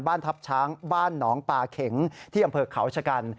บ้านทัพช้างบ้านหนองป่าเข็งที่อำเภอเขาชะกัน